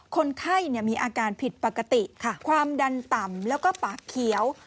คนไข้มีอาการผิดปกติความดันต่ำแล้วก็ปากเขียว